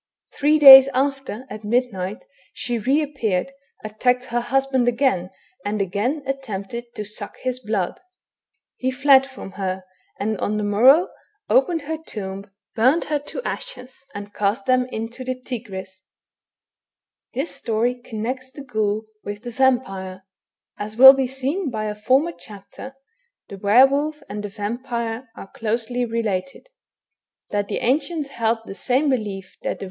Three days after, at midnight, she re appeared, attacked her husband again, and again attempted to suck his blood. He fled from her, and on the morrow opened her tomb, burned her to ashes, and cast them into the Tigris. This story connects the ghoul with the vampire. As will be seen by a former chapter, the were wolf and the vampire are closely related. That the ancients held the same belief that the 254 THE BOOK OF WERE WOLVES.